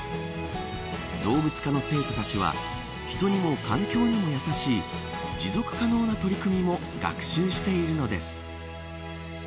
動物科の生徒たちは人にも環境にもやさしい持続可能な取り組みを学習しているのです。